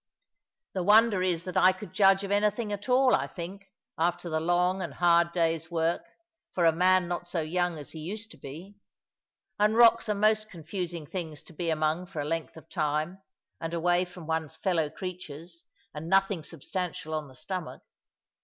The wonder is that I could judge of anything at all, I think, after the long and hard day's work, for a man not so young as he used to be. And rocks are most confusing things to be among for a length of time, and away from one's fellow creatures, and nothing substantial on the stomach.